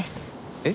えっ？